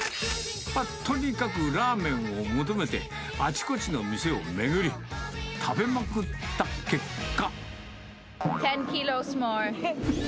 とにかくラーメンを求めて、あちこちの店を巡り、食べまくった結果。